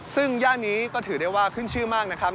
ซึ่งย่านนี้ก็ถือได้ว่าขึ้นชื่อมากนะครับ